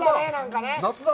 夏だ。